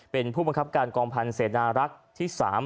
เป็นผู้บังคับการกองพันธ์เสนารักษ์ที่๓